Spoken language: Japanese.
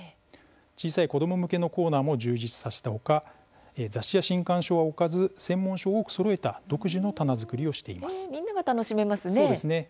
小さい子ども向けのコーナーも充実させた他雑誌や新刊書は置かず専門書を多くそろえたみんなが楽しめますね。